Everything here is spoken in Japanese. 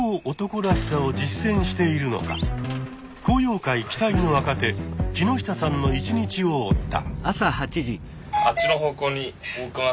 昂揚会期待の若手木下さんの一日を追った。